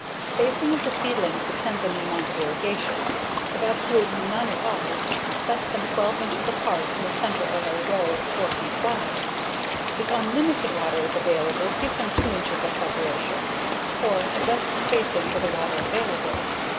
Spacing of the seedlings depends on the amount of irrigation. If absolutely none at all, set them 12 inches apart in the center of a row 4 feet wide. If unlimited water is available, give them 2 inches of separation. Or adjust spacing to the water available.